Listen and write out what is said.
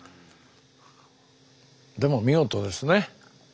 でも見事ですね。